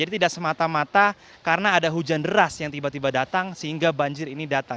jadi tidak semata mata karena ada hujan deras yang tiba tiba datang sehingga banjir ini datang